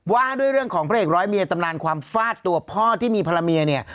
ว่าด้วยเรื่องของพระเอกร้อยเมียตำนานความฟาดตัวพ่อที่มีภรรยาเนี่ย